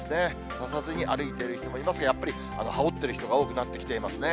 差さずに歩いている人もいますが、やっぱり羽織ってる人が多くなってきていますね。